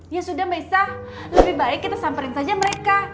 ya sudah bisa lebih baik kita samperin saja mereka